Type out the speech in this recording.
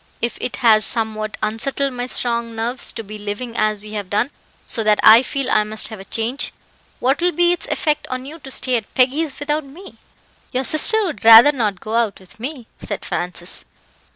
If it has somewhat unsettled my strong nerves to be living as we have done, so that I feel I must have a change, what will be its effect on you to stay at Peggy's without me?" "Your sister would rather not go out with me," said Francis.